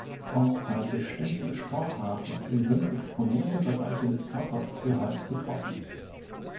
Auch bei bestimmen Sportarten sind exponierte Bereiche des Körpers gehäuft betroffen.